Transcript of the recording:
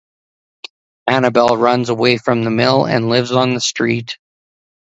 Annabelle runs away from the mill and lives on the street.